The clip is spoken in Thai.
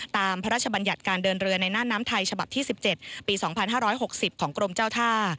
พระราชบัญญัติการเดินเรือในหน้าน้ำไทยฉบับที่๑๗ปี๒๕๖๐ของกรมเจ้าท่า